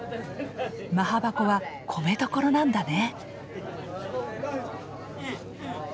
マハバコは米どころなんだね。